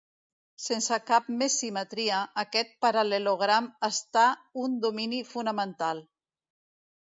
Sense cap més simetria, aquest paral·lelogram està un domini fonamental.